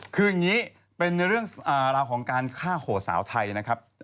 คืออย่างนี้เป็นเรื่องราวของการฆ่าโหดสาวไทยนะครับ